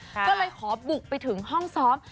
ก็เลยขอบุกไปถึงห้องซ้อม